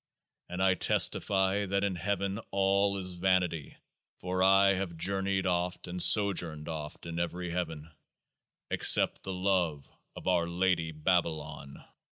And I testify that in heaven all is vanity (for I have journeyed oft, and sojourned oft, in every heaven), except the love of OUR LADY BABALON.